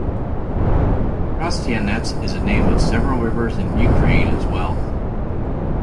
Trostianets is a name of several rivers in Ukraine as well.